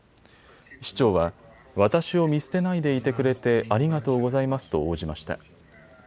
市長は、私を見捨てないでいてくれてありがとうございますと応じました。